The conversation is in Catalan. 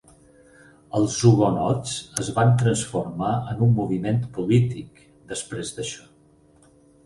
Els hugonots es van transformar en un moviment polític, després d'això.